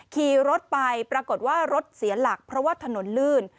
ขี่รถไปปรากฏว่ารถเสียหลักเพราะว่าถนนลื่น